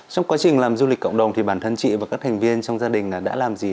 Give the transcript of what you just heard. trong quá trình làm du lịch cộng đồng thì bản thân chị và các thành viên trong gia đình đã làm gì